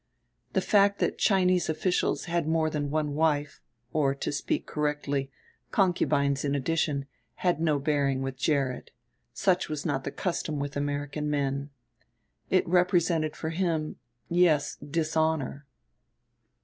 The fact that Chinese officials had more than one wife, or, to speak correctly, concubines in addition, had no bearing with Gerrit; such was not the custom with American men. It represented for him, yes dishonor.